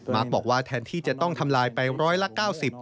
บอกว่าแทนที่จะต้องทำลายไปร้อยละ๙๐